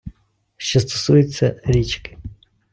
Що стосується річки.